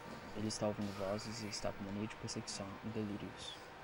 Ele está ouvindo vozes e está com mania de perseguição e delírios